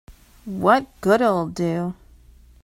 What good'll it do?